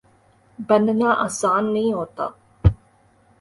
بننا آسان نہیں ہوتا